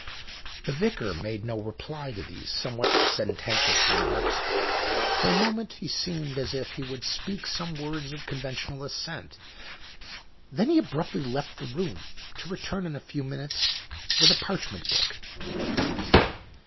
The Vicar made no reply to these somewhat sententious remarks. For a moment he seemed as if he would speak some words of conventional assent. Then he abruptly left the room, to return in a few minutes with a parchment book.